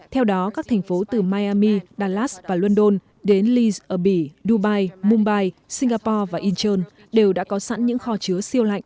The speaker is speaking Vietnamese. theo đó các thành phố từ miami dallas và london đến leeds abbey dubai mumbai singapore và incheon đều đã có sẵn những kho chứa